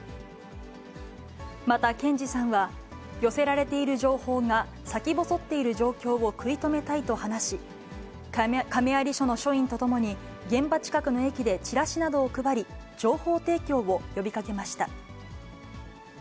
また賢二さんは、寄せられている情報が先細っている状況を食い止めたいと話し、亀有署の署員とともに、現場近くの駅でチラシなどを配り、情報提供を呼びかけました。